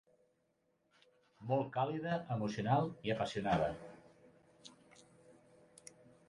Molt càlida, emocional i apassionada.